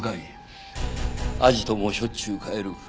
アジトもしょっちゅう変える。